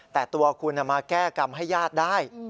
แต่ตัวคุณมาแก้กรรมให้ญาติได้